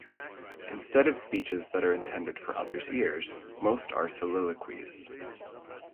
Instead of speeches that are intended for others' ears, most are soliloquies.